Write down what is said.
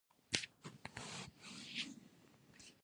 له پرونه راهسې مې هېڅ شی نه دي خوړلي.